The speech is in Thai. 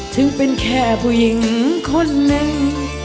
ถึงเป็นแค่ผู้หญิงคนหนึ่ง